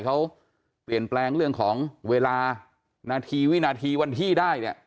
เขาเปลี่ยนแปลงเรื่องของเวลานาทีวินาทีวันที่ได้เนี่ย